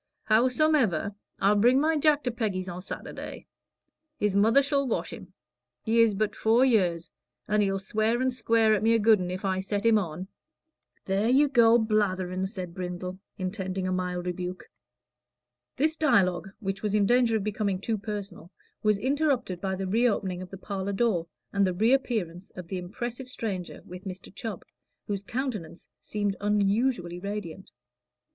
Howsomever, I'll bring my Jack to Peggy's o' Saturday. His mother shall wash him. He is but four year old, and he'll swear and square at me a good un, if I set him on." "There you go blatherin'," said Brindle, intending a mild rebuke. This dialogue, which was in danger of becoming too personal, was interrupted by the reopening of the parlor door, and the reappearance of the impressive stranger with Mr. Chubb, whose countenance seemed unusually radiant.